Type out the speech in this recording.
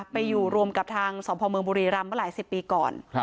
ไปอยู่รวมกับทางสพเมืองบุรีรำมาหลายสิบปีก่อน